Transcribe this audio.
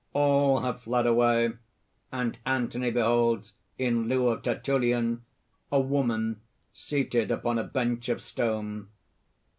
(_All have fled away; and Anthony beholds, in lieu of Tertullian, a woman seated upon a bench of stone.